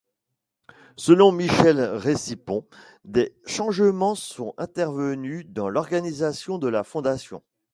Selon Michel Récipon des changements sont intervenus dans l'organisation de la Fondation.